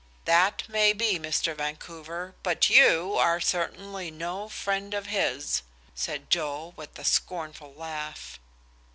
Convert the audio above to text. "That may be, Mr. Vancouver, but you are certainly no friend of his," said Joe, with a scornful laugh.